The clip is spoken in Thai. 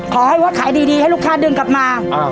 ขอให้ว่าขายดีให้ลูกค้าดึงกลับมา